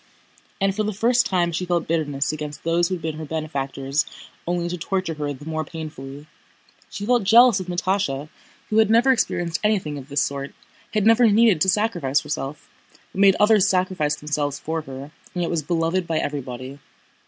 And for the first time she felt bitterness against those who had been her benefactors only to torture her the more painfully; she felt jealous of Natásha who had never experienced anything of this sort, had never needed to sacrifice herself, but made others sacrifice themselves for her and yet was beloved by everybody.